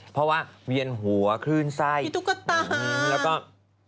เพราะว่าเวียนหัวคลื่นไส้พี่ตุ๊กตาแล้วก็